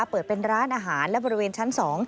เปิดเป็นร้านอาหารและบริเวณชั้น๒